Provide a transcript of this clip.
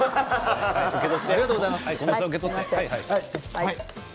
ありがとうございます。